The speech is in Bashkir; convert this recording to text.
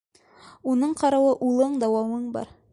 Уның ҡарауы, улың, дауамың бар.